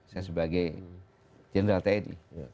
saya sebagai general teddy